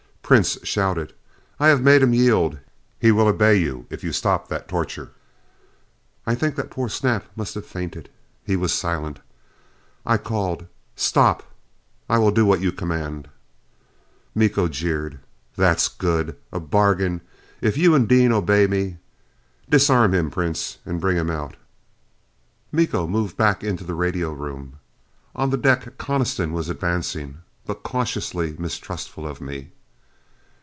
Prince shouted, "I have made him yield. He will obey you if you stop that torture." I think that poor Snap must have fainted. He was silent. I called, "Stop! I will do what you command." Miko jeered, "That is good. A bargain, if you and Dean obey me. Disarm him, Prince, and bring him out." Miko moved back into the radio room. On the deck, Coniston was advancing, but cautiously mistrustful of me.